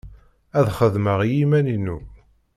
Ad xedmeɣ i yiman-inu.